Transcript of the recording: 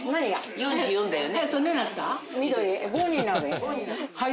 ４４だよね？